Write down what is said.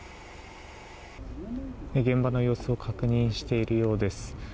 現場の様子を確認しているようです。